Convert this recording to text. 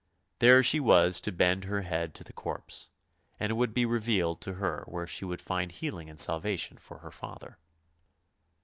Here she was to bend her head to the corpse, and it would be revealed to her where she would find healing and salvation for her father.